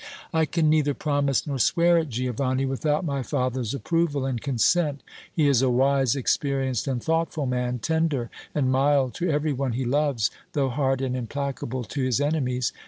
"I can neither promise nor swear it, Giovanni, without my father's approval and consent. He is a wise, experienced and thoughtful man, tender and mild to every one he loves, though hard and implacable to his enemies.